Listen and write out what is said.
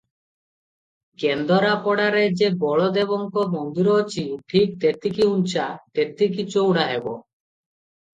କେନ୍ଦରାପଡ଼ାରେ ଯେ ବଳଦେବଙ୍କ ମନ୍ଦିର ଅଛି, ଠିକ୍ ତେତିକି ଉଞ୍ଚା, ତେତିକି ଚଉଡ଼ା ହେବ ।